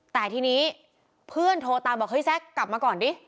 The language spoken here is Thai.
แต่ทีนี้เพื่อนโทรตามบอกเฮ็กกลับมาก่อนดิ